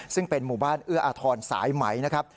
ซึ่งเป็นหมู่บ้านเอื้ออาทรสายไหมนะครับ